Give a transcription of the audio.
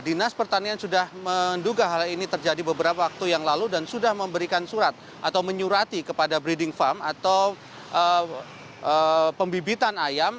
dinas pertanian sudah menduga hal ini terjadi beberapa waktu yang lalu dan sudah memberikan surat atau menyurati kepada breeding farm atau pembibitan ayam